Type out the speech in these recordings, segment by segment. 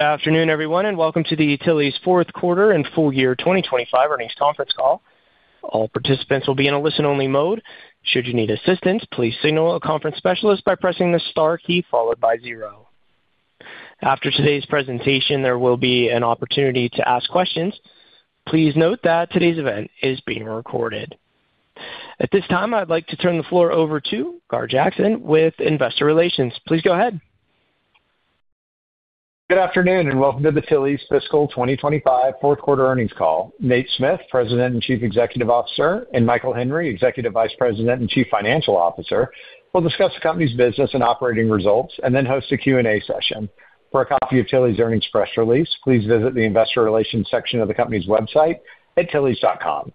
Good afternoon, everyone, and welcome to the Tilly's fourth quarter and full year 2025 earnings conference call. All participants will be in a listen-only mode. Should you need assistance, please signal a conference specialist by pressing the star key followed by zero. After today's presentation, there will be an opportunity to ask questions. Please note that today's event is being recorded. At this time, I'd like to turn the floor over to Gar Jackson with Investor Relations. Please go ahead. Good afternoon, and welcome to the Tilly's fiscal 2025 fourth quarter earnings call. Nate Smith, President and Chief Executive Officer, and Michael Henry, Executive Vice President and Chief Financial Officer, will discuss the company's business and operating results and then host a Q&A session. For a copy of Tilly's earnings press release, please visit the investor relations section of the company's website at tillys.com.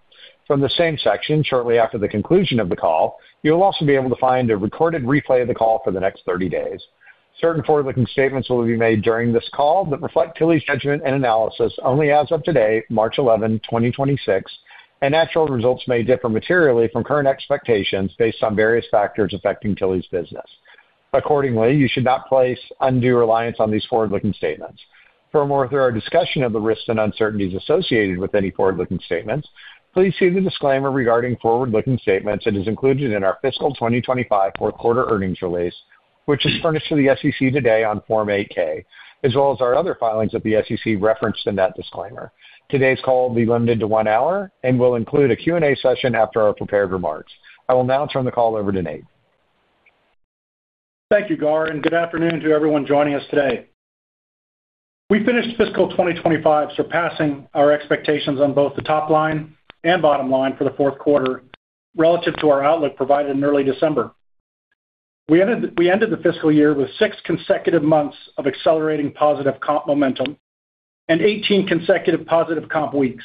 From the same section, shortly after the conclusion of the call, you'll also be able to find a recorded replay of the call for the next 30 days. Certain forward-looking statements will be made during this call that reflect Tilly's judgment and analysis only as of today, March 11, 2026, and actual results may differ materially from current expectations based on various factors affecting Tilly's business. Accordingly, you should not place undue reliance on these forward-looking statements. For a more thorough discussion of the risks and uncertainties associated with any forward-looking statements, please see the disclaimer regarding forward-looking statements that is included in our fiscal 2025 fourth quarter earnings release, which is furnished to the SEC today on Form 8-K, as well as our other filings at the SEC referenced in that disclaimer. Today's call will be limited to one hour and will include a Q&A session after our prepared remarks. I will now turn the call over to Nate. Thank you, Gar, and good afternoon to everyone joining us today. We finished fiscal 2025 surpassing our expectations on both the top line and bottom line for the fourth quarter relative to our outlook provided in early December. We ended the fiscal year with six consecutive months of accelerating positive comp momentum and 18 consecutive positive comp weeks.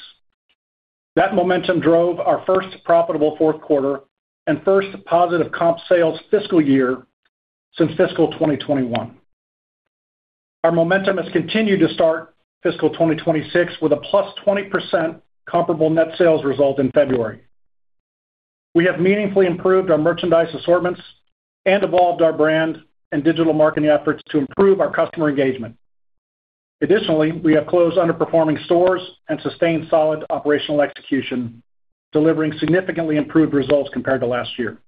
That momentum drove our first profitable fourth quarter and first positive comp sales fiscal year since fiscal 2021. Our momentum has continued to start fiscal 2026 with a +20% comparable net sales result in February. We have meaningfully improved our merchandise assortments and evolved our brand and digital marketing efforts to improve our customer engagement. Additionally, we have closed underperforming stores and sustained solid operational execution, delivering significantly improved results compared to last year.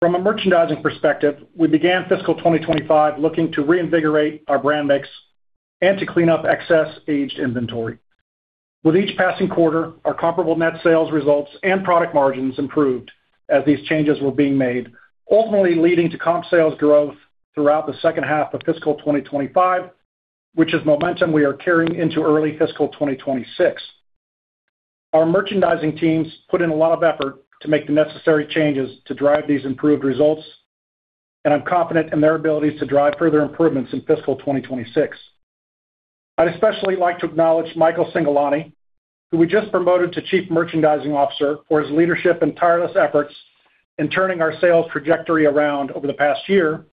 From a merchandising perspective, we began fiscal 2025 looking to reinvigorate our brand mix and to clean up excess aged inventory. With each passing quarter, our comparable net sales results and product margins improved as these changes were being made, ultimately leading to comp sales growth throughout the second half of fiscal 2025, which is momentum we are carrying into early fiscal 2026. Our merchandising teams put in a lot of effort to make the necessary changes to drive these improved results, and I'm confident in their ability to drive further improvements in fiscal 2026. I'd especially like to acknowledge Michael Cingolani, who we just promoted to Chief Merchandising Officer, for his leadership and tireless efforts in turning our sales trajectory around over the past year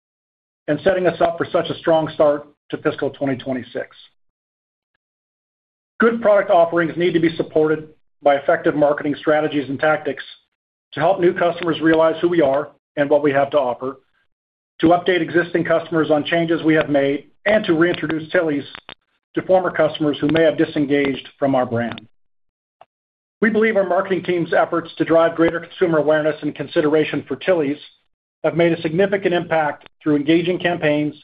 and setting us up for such a strong start to fiscal 2026. Good product offerings need to be supported by effective marketing strategies and tactics to help new customers realize who we are and what we have to offer, to update existing customers on changes we have made, and to reintroduce Tilly's to former customers who may have disengaged from our brand. We believe our marketing team's efforts to drive greater consumer awareness and consideration for Tilly's have made a significant impact through engaging campaigns,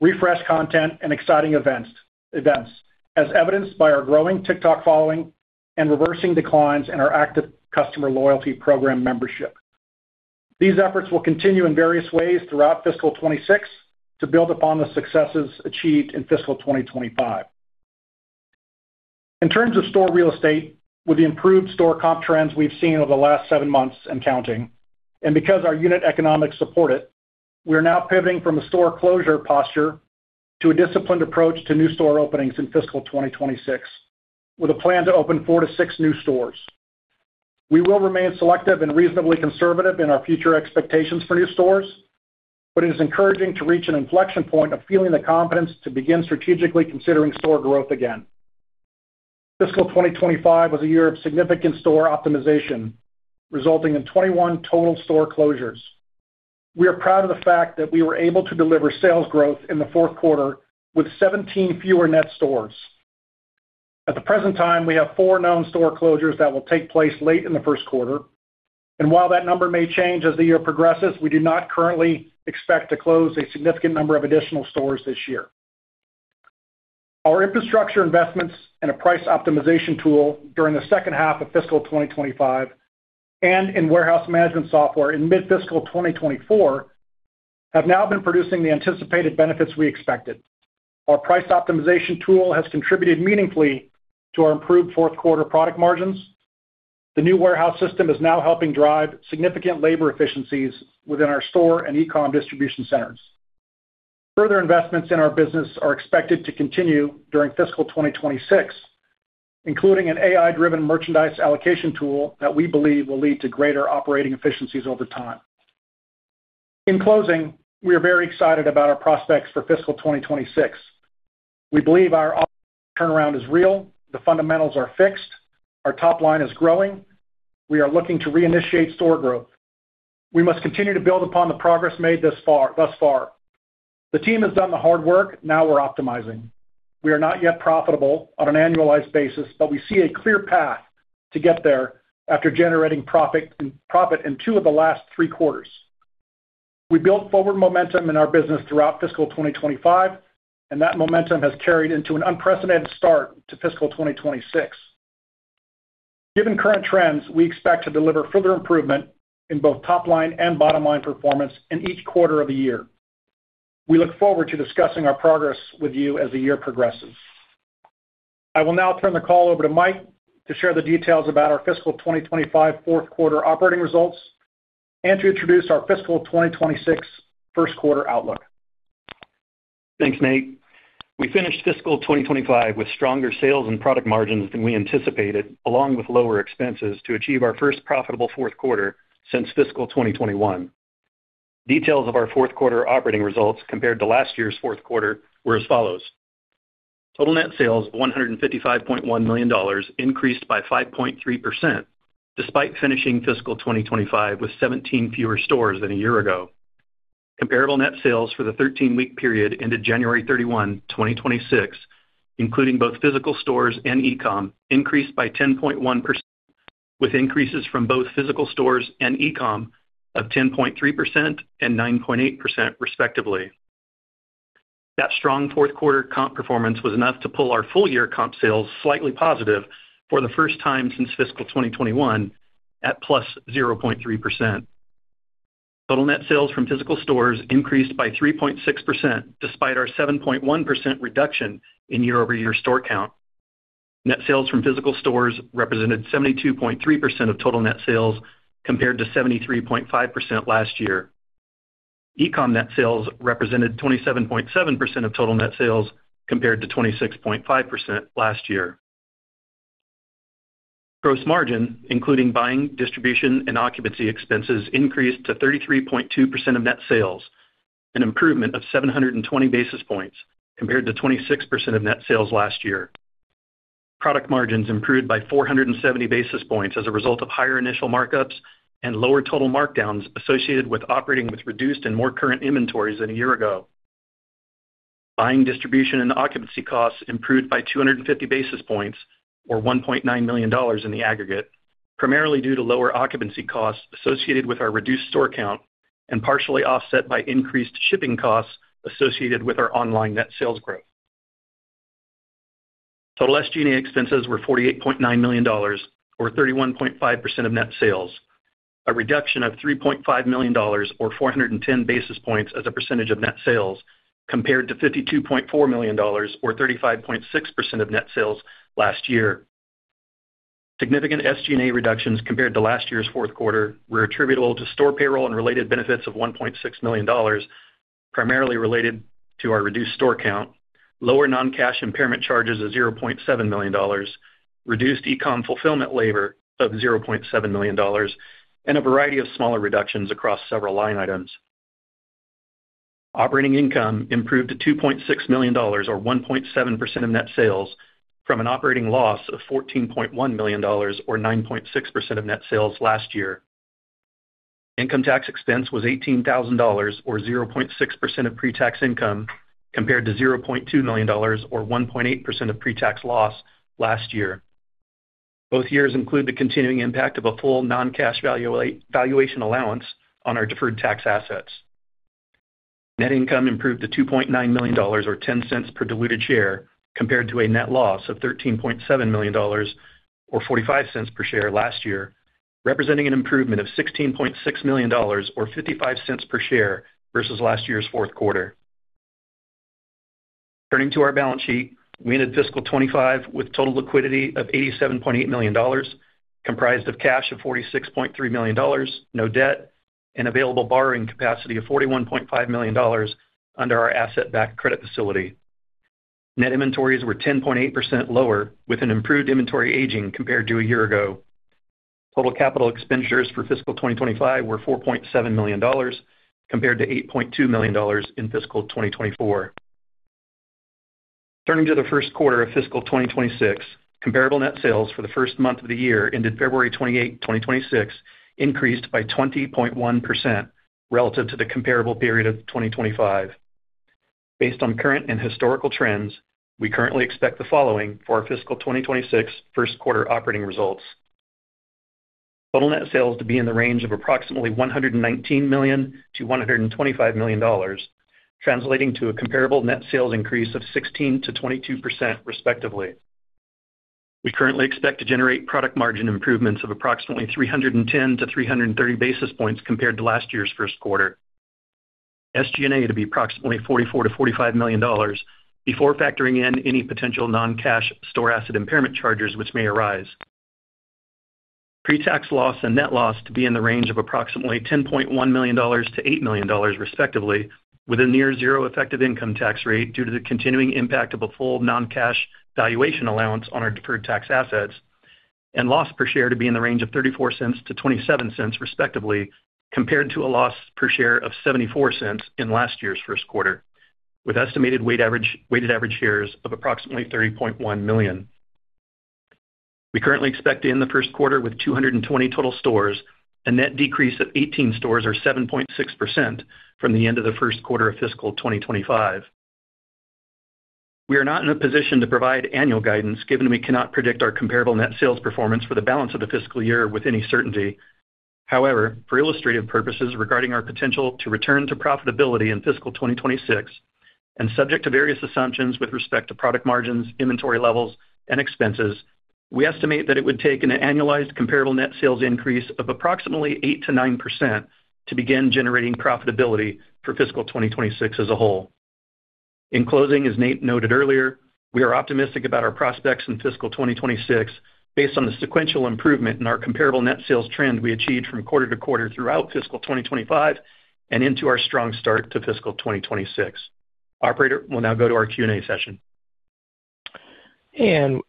refreshed content, and exciting events, as evidenced by our growing TikTok following and reversing declines in our active customer loyalty program membership. These efforts will continue in various ways throughout fiscal 2026 to build upon the successes achieved in fiscal 2025. In terms of store real estate, with the improved store comp trends we've seen over the last seven months and counting, and because our unit economics support it, we are now pivoting from a store closure posture to a disciplined approach to new store openings in fiscal 2026, with a plan to open four-six new stores. We will remain selective and reasonably conservative in our future expectations for new stores, but it is encouraging to reach an inflection point of feeling the confidence to begin strategically considering store growth again. Fiscal 2025 was a year of significant store optimization, resulting in 21 total store closures. We are proud of the fact that we were able to deliver sales growth in the fourth quarter with 17 fewer net stores. At the present time, we have four known store closures that will take place late in the first quarter, and while that number may change as the year progresses, we do not currently expect to close a significant number of additional stores this year. Our infrastructure investments and a price optimization tool during the second half of fiscal 2025 and in warehouse management software in mid-fiscal 2024 have now been producing the anticipated benefits we expected. Our price optimization tool has contributed meaningfully to our improved fourth quarter product margins. The new warehouse system is now helping drive significant labor efficiencies within our store and e-com distribution centers. Further investments in our business are expected to continue during fiscal 2026, including an AI-driven merchandise allocation tool that we believe will lead to greater operating efficiencies over time. In closing, we are very excited about our prospects for fiscal 2026. We believe our turnaround is real. The fundamentals are fixed. Our top line is growing. We are looking to reinitiate store growth. We must continue to build upon the progress made thus far. The team has done the hard work, now we're optimizing. We are not yet profitable on an annualized basis, but we see a clear path to get there after generating profit in two of the last three quarters. We built forward momentum in our business throughout fiscal 2025, and that momentum has carried into an unprecedented start to fiscal 2026. Given current trends, we expect to deliver further improvement in both top line and bottom line performance in each quarter of the year. We look forward to discussing our progress with you as the year progresses. I will now turn the call over to Mike to share the details about our fiscal 2025 fourth quarter operating results and to introduce our fiscal 2026 first quarter outlook. Thanks, Nate. We finished fiscal 2025 with stronger sales and product margins than we anticipated, along with lower expenses to achieve our first profitable fourth quarter since fiscal 2021. Details of our fourth quarter operating results compared to last year's fourth quarter were as follows. Total net sales of $155.1 million increased by 5.3% despite finishing fiscal 2025 with 17 fewer stores than a year ago. Comparable net sales for the 13-week period ended January 31, 2026, including both physical stores and e-com, increased by 10.1%, with increases from both physical stores and e-com of 10.3% and 9.8% respectively. That strong fourth quarter comp performance was enough to pull our full-year comp sales slightly positive for the first time since fiscal 2021 at +0.3%. Total net sales from physical stores increased by 3.6% despite our 7.1% reduction in year-over-year store count. Net sales from physical stores represented 72.3% of total net sales compared to 73.5% last year. E-com net sales represented 27.7% of total net sales compared to 26.5% last year. Gross margin, including buying, distribution, and occupancy expenses, increased to 33.2% of net sales, an improvement of 720 basis points compared to 26% of net sales last year. Product margins improved by 470 basis points as a result of higher initial markups and lower total markdowns associated with operating with reduced and more current inventories than a year ago. Buying, distribution and occupancy costs improved by 250 basis points or $1.9 million in the aggregate, primarily due to lower occupancy costs associated with our reduced store count and partially offset by increased shipping costs associated with our online net sales growth. Total SG&A expenses were $48.9 million or 31.5% of net sales, a reduction of $3.5 million or 410 basis points as a percentage of net sales compared to $52.4 million or 35.6% of net sales last year. Significant SG&A reductions compared to last year's fourth quarter were attributable to store payroll and related benefits of $1.6 million, primarily related to our reduced store count, lower non-cash impairment charges of $0.7 million, reduced e-com fulfillment labor of $0.7 million and a variety of smaller reductions across several line items. Operating income improved to $2.6 million or 1.7% of net sales from an operating loss of $14.1 million or 9.6% of net sales last year. Income tax expense was $18,000 or 0.6% of pre-tax income, compared to $0.2 million or 1.8% of pre-tax loss last year. Both years include the continuing impact of a full non-cash valuation allowance on our deferred tax assets. Net income improved to $2.9 million or $0.10 per diluted share, compared to a net loss of $13.7 million or $0.45 per share last year, representing an improvement of $16.6 million or $0.55 per share versus last year's fourth quarter. Turning to our balance sheet, we ended fiscal 2025 with total liquidity of $87.8 million, comprised of cash of $46.3 million, no debt, and available borrowing capacity of $41.5 million under our asset-backed credit facility. Net inventories were 10.8% lower, with an improved inventory aging compared to a year ago. Total capital expenditures for fiscal 2025 were $4.7 million compared to $8.2 million in fiscal 2024. Turning to the first quarter of fiscal 2026, comparable net sales for the first month of the year ended February 28, 2026 increased by 20.1% relative to the comparable period of 2025. Based on current and historical trends, we currently expect the following for our fiscal 2026 first quarter operating results. Total net sales to be in the range of approximately $119 million-$125 million, translating to a comparable net sales increase of 16%-22% respectively. We currently expect to generate product margin improvements of approximately 310-330 basis points compared to last year's first quarter. SG&A to be approximately $44 million-$45 million before factoring in any potential non-cash store asset impairment charges which may arise. Pre-tax loss and net loss to be in the range of approximately $10.1 million-$8 million respectively, with a near zero effective income tax rate due to the continuing impact of a full non-cash valuation allowance on our deferred tax assets. Loss per share to be in the range of $0.34-$0.27 respectively, compared to a loss per share of $0.74 in last year's first quarter, with estimated weighted average shares of approximately 31.1 million. We currently expect to end the first quarter with 220 total stores, a net decrease of 18 stores or 7.6% from the end of the first quarter of fiscal 2025. We are not in a position to provide annual guidance, given we cannot predict our comparable net sales performance for the balance of the fiscal year with any certainty. However, for illustrative purposes regarding our potential to return to profitability in fiscal 2026 and subject to various assumptions with respect to product margins, inventory levels, and expenses, we estimate that it would take an annualized comparable net sales increase of approximately 8%-9% to begin generating profitability for fiscal 2026 as a whole. In closing, as Nate noted earlier, we are optimistic about our prospects in fiscal 2026 based on the sequential improvement in our comparable net sales trend we achieved from quarter to quarter throughout fiscal 2025 and into our strong start to fiscal 2026. Operator, we'll now go to our Q&A session.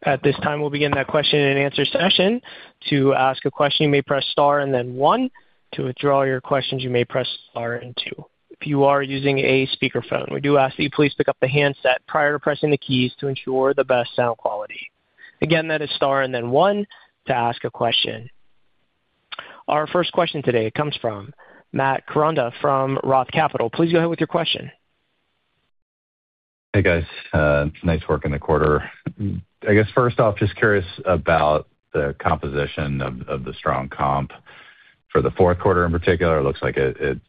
At this time, we'll begin that question and answer session. To ask a question, you may press Star and then one. To withdraw your questions, you may press Star and two. If you are using a speakerphone, we do ask that you please pick up the handset prior to pressing the keys to ensure the best sound quality. Again, that is Star and then one to ask a question. Our first question today comes from Matt Koranda from Roth Capital. Please go ahead with your question. Hey, guys. Nice work in the quarter. I guess first off, just curious about the composition of the strong comp for the fourth quarter in particular. It looks like it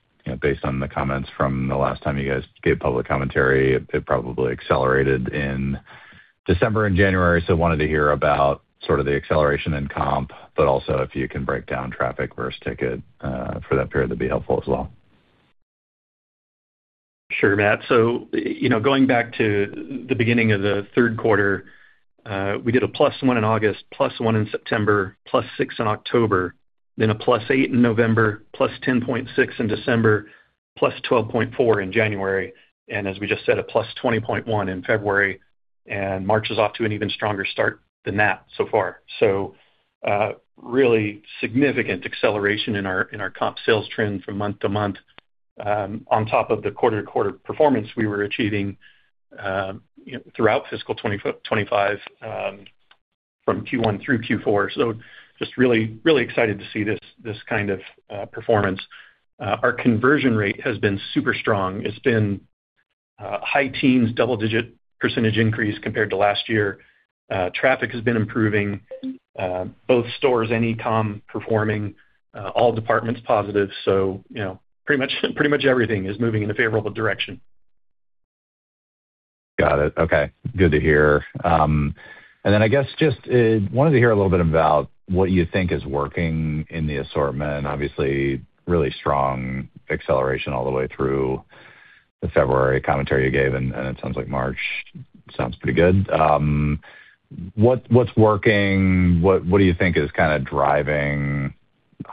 based on the comments from the last time you guys gave public commentary, it probably accelerated in December and January. Wanted to hear about sort of the acceleration in comp, but also if you can break down traffic versus ticket for that period, that'd be helpful as well. Sure, Matt. So you know, going back to the beginning of the third quarter, we did a +1% in August, +1% in September, +6% in October, then a +8% in November, +10.6% in December, +12.4% in January. As we just said, a +20.1% in February. March is off to an even stronger start than that so far. Really significant acceleration in our comp sales trend from month to month, on top of the quarter to quarter performance we were achieving, throughout fiscal 2025, from Q1 through Q4. Just really, really excited to see this kind of performance. Our conversion rate has been super strong. It's been high teens, double-digit % increase compared to last year. Traffic has been improving, both stores and e-com performing, all departments positive. You know, pretty much everything is moving in a favorable direction. Got it. Okay. Good to hear. I guess just wanted to hear a little bit about what you think is working in the assortment. Obviously, really strong acceleration all the way through the February commentary you gave, and it sounds like March sounds pretty good. What's working? What do you think is kinda driving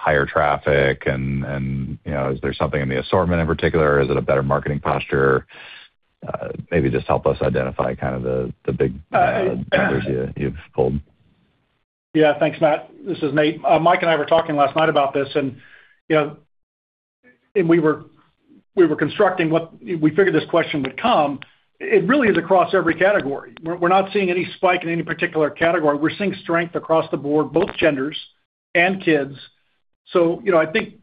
higher traffic? You know, is there something in the assortment in particular, or is it a better marketing posture? Maybe just help us identify kind of the big levers you've pulled. Yeah. Thanks, Matt. This is Nate. Mike and I were talking last night about this and, you know, we were constructing what we figured this question would come. It really is across every category. We're not seeing any spike in any particular category. We're seeing strength across the board, both genders and kids. You know, I think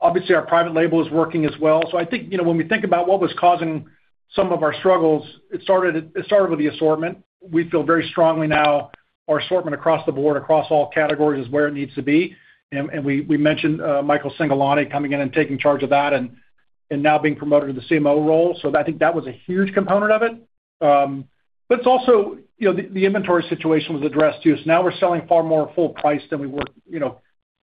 obviously our private label is working as well. I think, you know, when we think about what was causing some of our struggles, it started with the assortment. We feel very strongly now our assortment across the board, across all categories is where it needs to be. We mentioned Michael Cingolani coming in and taking charge of that and now being promoted to the CMO role. I think that was a huge component of it. It's also, you know, the inventory situation was addressed too. Now we're selling far more full price than we were, you know,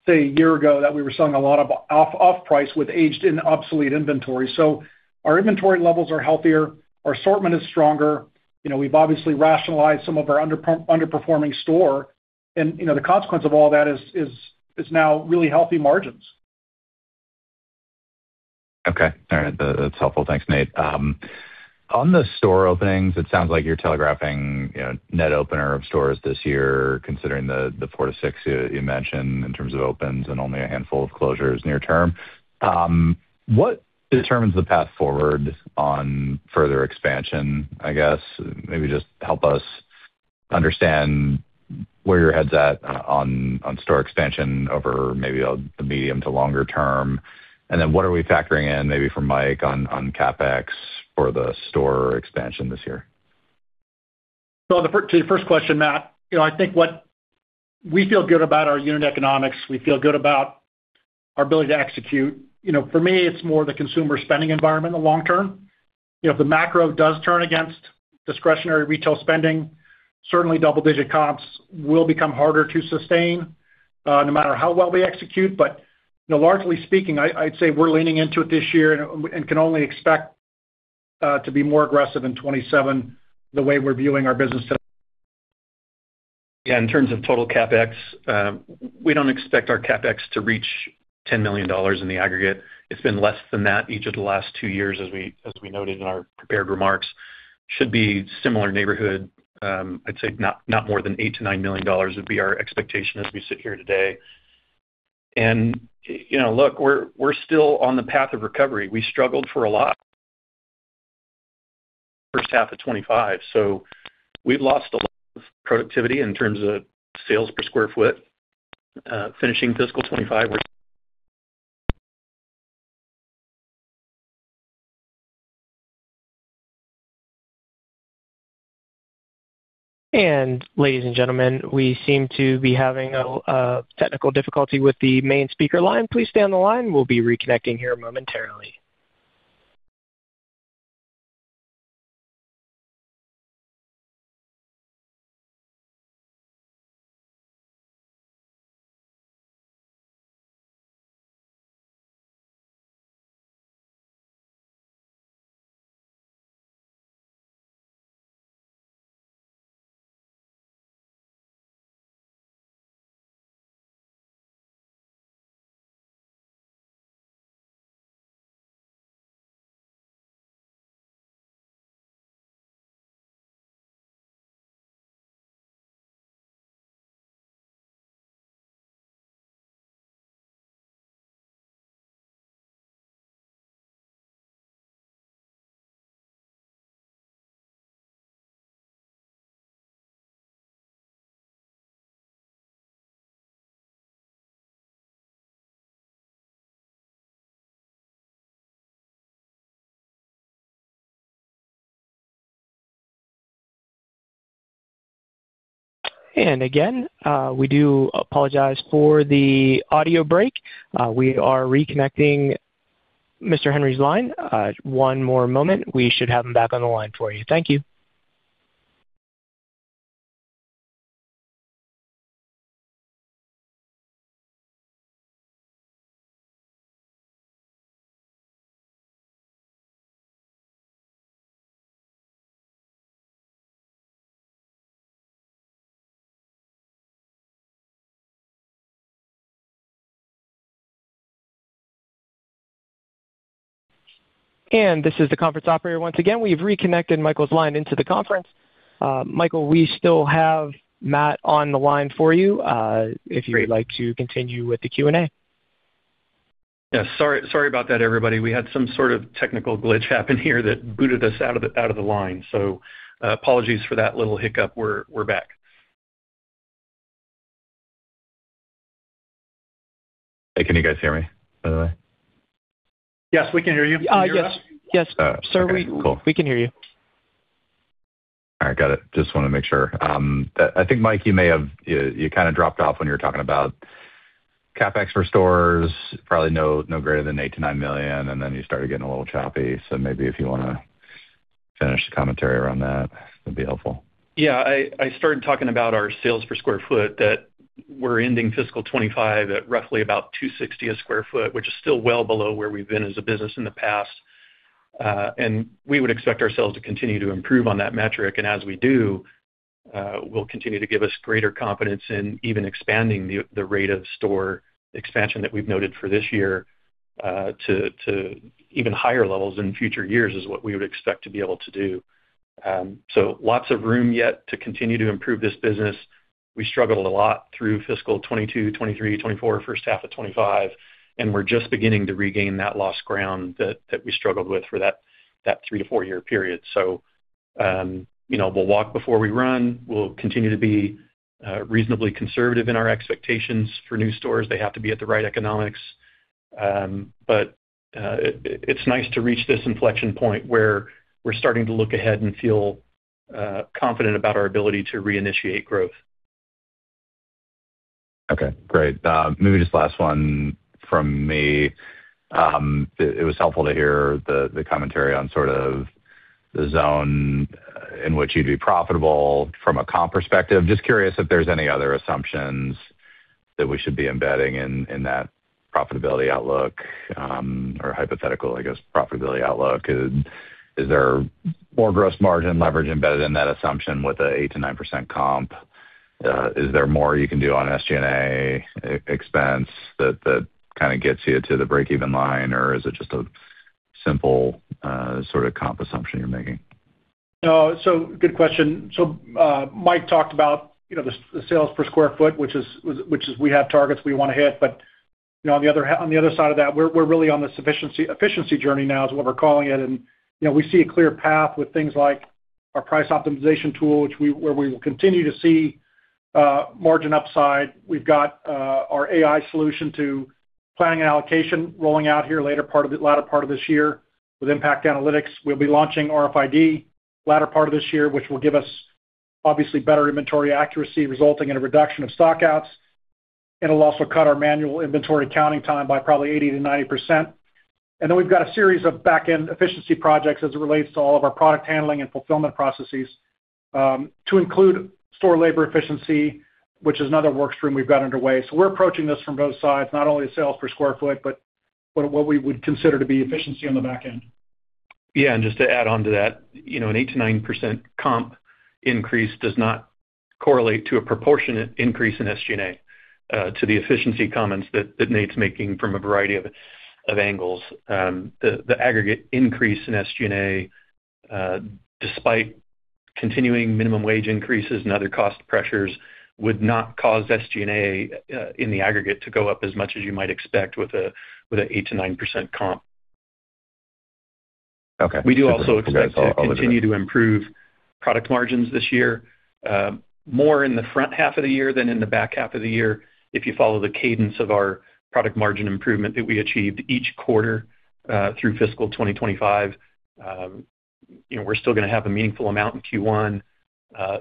say a year ago, that we were selling a lot of off price with aged and obsolete inventory. So our inventory levels are healthier, our assortment is stronger. You know, we've obviously rationalized some of our underperforming store. You know, the consequence of all that is now really healthy margins. Okay. All right. That's helpful. Thanks, Nate. On the store openings, it sounds like you're telegraphing, you know, net opener of stores this year, considering the four to six you mentioned in terms of opens and only a handful of closures near term. What determines the path forward on further expansion, I guess? Maybe just help us understand where your head's at on store expansion over maybe the medium to longer term. What are we factoring in maybe for Mike on CapEx for the store expansion this year? To your first question, Matt, you know, I think what we feel good about our unit economics. We feel good about our ability to execute. You know, for me, it's more the consumer spending environment in the long term. You know, if the macro does turn against discretionary retail spending, certainly double-digit comps will become harder to sustain, no matter how well we execute. You know, largely speaking, I'd say we're leaning into it this year and can only expect to be more aggressive in 2027 the way we're viewing our business today. Yeah. In terms of total CapEx, we don't expect our CapEx to reach $10 million in the aggregate. It's been less than that each of the last two years, as we noted in our prepared remarks. It should be in a similar neighborhood. I'd say not more than $8 million-$9 million would be our expectation as we sit here today. You know, look, we're still on the path of recovery. We struggled a lot in the first half of 2025. We've lost a lot of productivity in terms of sales per sq ft, finishing fiscal 2025 with- Ladies and gentlemen, we seem to be having a technical difficulty with the main speaker line. Please stay on the line. We'll be reconnecting here momentarily. Again, we do apologize for the audio break. We are reconnecting Mr. Henry's line. One more moment. We should have him back on the line for you. Thank you. This is the conference operator once again. We've reconnected Michael's line into the conference. Michael, we still have Matt on the line for you. Great. If you would like to continue with the Q&A. Yeah. Sorry about that, everybody. We had some sort of technical glitch happen here that booted us out of the line. Apologies for that little hiccup. We're back. Hey, can you guys hear me, by the way? Yes, we can hear you. Yes. Can you hear us? Yes. Oh, okay. Sir, we- Cool. We can hear you. All right. Got it. Just wanna make sure. I think, Mike, you may have kinda dropped off when you were talking about CapEx for stores, probably no greater than $8 million-$9 million, and then you started getting a little choppy. Maybe if you wanna finish the commentary around that'd be helpful. Yeah, I started talking about our sales per sq ft. We're ending fiscal 2025 at roughly $260 per sq ft, which is still well below where we've been as a business in the past. We would expect ourselves to continue to improve on that metric. As we do, we'll continue to give us greater confidence in even expanding the rate of store expansion that we've noted for this year to even higher levels in future years, which is what we would expect to be able to do. Lots of room yet to continue to improve this business. We struggled a lot through fiscal 2022, 2023, 2024, first half of 2025, and we're just beginning to regain that lost ground that we struggled with for that three-four-year period. You know, we'll walk before we run. We'll continue to be reasonably conservative in our expectations for new stores. They have to be at the right economics. It's nice to reach this inflection point where we're starting to look ahead and feel confident about our ability to reinitiate growth. Okay, great. Maybe just last one from me. It was helpful to hear the commentary on sort of the zone in which you'd be profitable from a comp perspective. Just curious if there's any other assumptions that we should be embedding in that profitability outlook or hypothetical, I guess, profitability outlook. Is there more gross margin leverage embedded in that assumption with an 8%-9% comp? Is there more you can do on SG&A expense that kinda gets you to the break-even line, or is it just a simple sorta comp assumption you're making? No. Good question. Mike talked about, you know, the sales per square foot, which is we have targets we wanna hit. You know, on the other side of that, we're really on the efficiency journey now, is what we're calling it. You know, we see a clear path with things like our price optimization tool, where we will continue to see margin upside. We've got our AI solution to planning and allocation rolling out here latter part of this year with Impact Analytics. We'll be launching RFID latter part of this year, which will give us obviously better inventory accuracy, resulting in a reduction of stock-outs. It'll also cut our manual inventory counting time by probably 80%-90%. And we've got a series of back-end efficiency projects as it relates to all of our product handling and fulfillment processes, to include store labor efficiency, which is another work stream we've got underway. We're approaching this from both sides, not only sales per sq ft, but what we would consider to be efficiency on the back end. Yeah. Just to add on to that, you know, an 8%-9% comp increase does not correlate to a proportionate increase in SG&A to the efficiency comments that Nate's making from a variety of angles. The aggregate increase in SG&A, despite continuing minimum wage increases and other cost pressures, would not cause SG&A in the aggregate to go up as much as you might expect with an 8%-9% comp. Okay. We do also expect to continue to improve product margins this year, more in the front half of the year than in the back half of the year. If you follow the cadence of our product margin improvement that we achieved each quarter, through fiscal 2025, we're still gonna have a meaningful amount in Q1.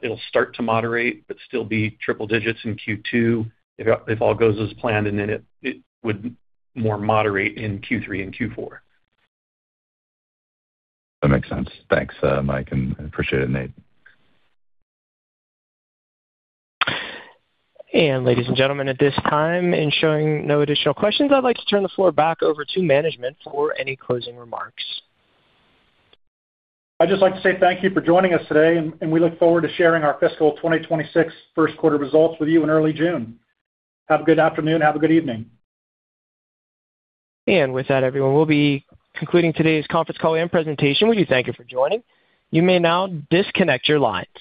It'll start to moderate but still be triple digits in Q2 if all goes as planned, and then it would more moderate in Q3 and Q4. That makes sense. Thanks, Mike, and I appreciate it, Nate. Ladies and gentlemen, at this time, seeing no additional questions, I'd like to turn the floor back over to management for any closing remarks. I'd just like to say thank you for joining us today, and we look forward to sharing our fiscal 2026 first quarter results with you in early June. Have a good afternoon, have a good evening. With that, everyone, we'll be concluding today's conference call and presentation. We do thank you for joining. You may now disconnect your line.